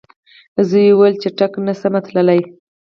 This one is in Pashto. زوی یې وویل چټک نه سمه تللای